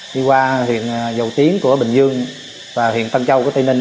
đi qua huyện dầu tiến của bình dương và huyện tân châu của tây ninh